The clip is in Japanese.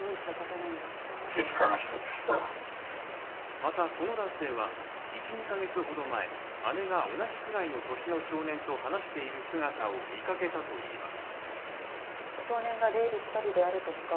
またこの男性は一、二ヶ月ほど前、姉が同じくらいの歳の少年と話している姿を見かけたといいます。